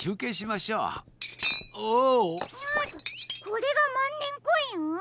これがまんねんコイン？